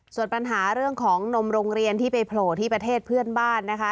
ส่วนปัญหาเรื่องของนมโรงเรียนที่ไปโผล่ที่ประเทศเพื่อนบ้านนะคะ